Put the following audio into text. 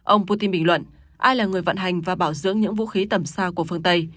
ông putin bình luận ai là người vận hành và bảo dưỡng những vũ khí tầm xa của phương tây